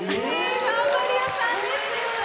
頑張り屋さんです！